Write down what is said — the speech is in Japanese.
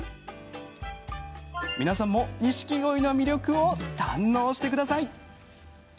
皆さんもニシキゴイの魅力を堪能してください。